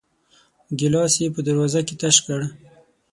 ګيلاس يې په دروازه کې تش کړ.